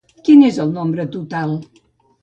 Quin és el nombre total?